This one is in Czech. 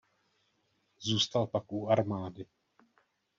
Zůstal pak u armády.